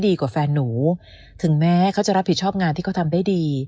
ดีกว่าแฟนหนูถึงแม้เขาจะรับผิดชอบงานที่เขาทำได้ดี